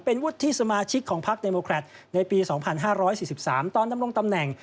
เป็นวุฒิสมาชิกของพักเดโมแครตในปี๒๕๔๓ตอนดำรงตำแหน่ง